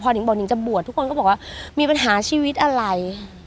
หิงบอกนิงจะบวชทุกคนก็บอกว่ามีปัญหาชีวิตอะไร